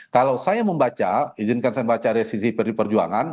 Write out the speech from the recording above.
kalau saya membaca izinkan saya baca dari sisi pd perjuangan